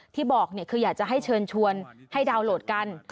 ที่บอกคืออยากจะให้เชิญชวนให้ดาวน์โหลดกัน